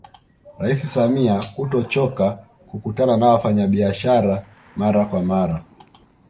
Rais Samia kutochoka kukutana na wafanyabiashara mara kwa mara